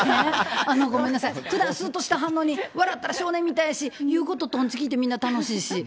ごめんなさい、ふだんすっとしてはんのに、笑ったら少年みたいやし、言うこととんちきいて、みんな楽しいし。